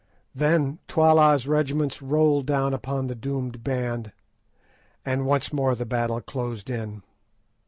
Then Twala's regiments rolled down upon the doomed band, and once more the battle closed in.